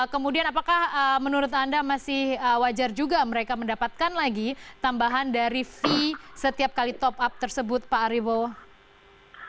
kemudian apakah menurut anda masih wajar juga mereka mendapatkan lagi tambahan dari fee setiap kali top up tersebut pak ariebowo